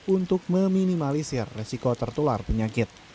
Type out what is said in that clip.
untuk meminimalisir resiko tertular penyakit